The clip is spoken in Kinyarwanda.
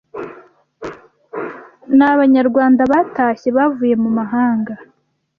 n'Abanyarwanda batashye bavuye mumahanga